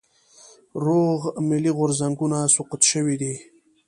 روغ ملي غورځنګونه سقوط شوي دي.